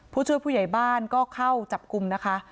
ผู้ช่วยผู้ใหญ่บ้านก็เข้าจับกลุ่มนะคะ